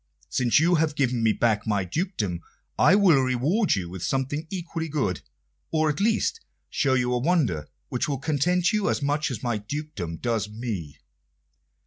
Since you have given me back my dukedom, I will reward you with something equally good, or, at least, show you a wonder which will content you as much as my dukedom does me."